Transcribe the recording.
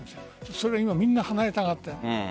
それがみんな離れたがっている。